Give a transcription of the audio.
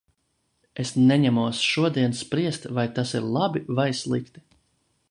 Es neņemos šodien spriest, vai tas ir labi vai slikti.